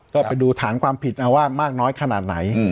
ก็ไปดูฐานความผิดนะว่ามากน้อยขนาดไหน